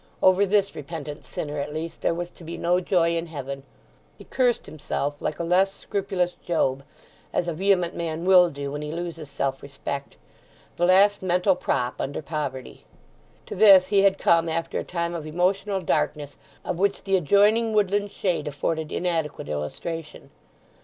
Over this repentant sinner, at least, there was to be no joy in heaven. He cursed himself like a less scrupulous Job, as a vehement man will do when he loses self respect, the last mental prop under poverty. To this he had come after a time of emotional darkness of which the adjoining woodland shade afforded inadequate illustration.